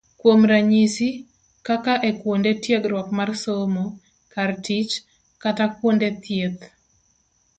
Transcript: Kuom ranyisi, kaka e kuonde tiegruok mar somo, kar tich kata kuonde thieth.